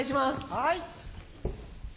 はい。